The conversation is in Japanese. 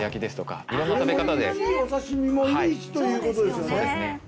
それもいいしお刺身もいいしということですよね。